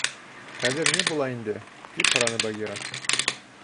— Хәҙер ни була инде? — тип һораны Багира.